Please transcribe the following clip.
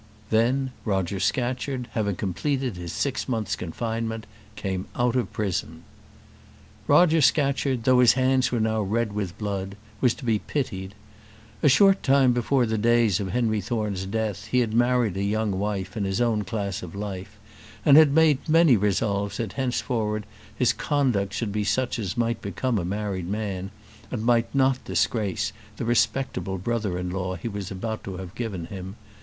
Then Roger Scatcherd, having completed his six months' confinement, came out of prison. Roger Scatcherd, though his hands were now red with blood, was to be pitied. A short time before the days of Henry Thorne's death he had married a young wife in his own class of life, and had made many resolves that henceforward his conduct should be such as might become a married man, and might not disgrace the respectable brother in law he was about to have given him.